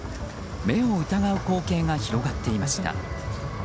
目を疑う光景が広がっていました。